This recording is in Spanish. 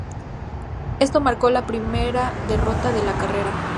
Esto marcó la primera derrota de su carrera.